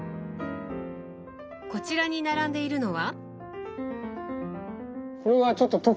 こちらに並んでいるのは？